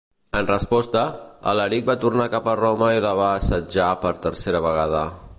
En resposta, Alaric va tornar cap a Roma i la va assetjar per tercera vegada.